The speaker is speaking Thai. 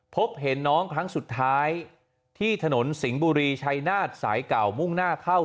พบเห็นน้องครั้งสุดท้ายที่ถนนสิงห์บุรีชัยนาศสายเก่ามุ่งหน้าเข้า